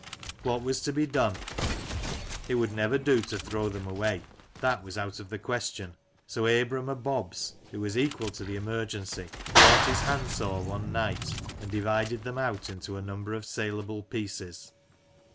What was to be done ? It would never do to throw them away— rthat was out of the question. So, Abram o' Bobs, who was equal to the emergency, brought his handsaw one night and divided them out into a number of saleable pieces.